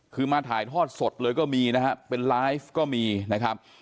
คือมาถ่ายทอดสดเลยก็มีนะฮะเป็นไลฟ์ก็มีนะครับ